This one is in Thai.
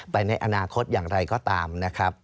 แต่ในอนาคตอย่างไรก็ตามนะครับ